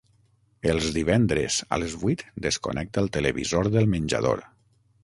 Els divendres a les vuit desconnecta el televisor del menjador.